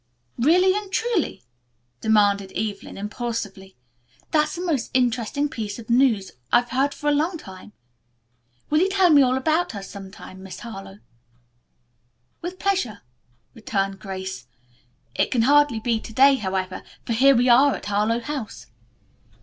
"Really and truly?" demanded Evelyn impulsively. "That's the most interesting piece of news I've heard for a long time. Will you tell me all about her some time, Miss Harlowe?" "With pleasure," returned Grace. "It can hardly be to day, however, for here we are at Harlowe House."